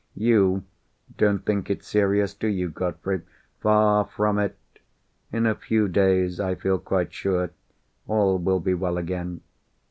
"You don't think it's serious, do you, Godfrey?" "Far from it! In a few days, I feel quite sure, all will be well again."